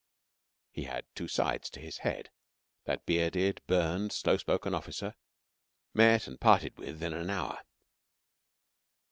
He had two sides to his head, that bearded, burned, slow spoken officer, met and parted with in an hour.